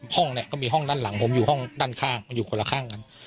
ห้องเนี่ยก็มีห้องด้านหลังผมอยู่ห้องด้านข้างมันอยู่คนละข้างกัน